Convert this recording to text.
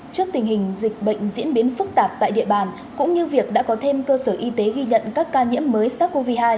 trước tình hình dịch bệnh diễn biến phức tạp tại địa bàn cũng như việc đã có thêm cơ sở y tế ghi nhận các ca nhiễm mới sars cov hai